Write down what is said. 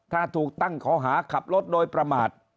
ถ้าถูกตั้งข้อหาขับรถโดยประมาท